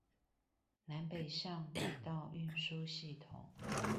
南北向軌道運輸系統